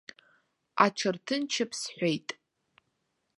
Аҽарҭынчып сҳәеит.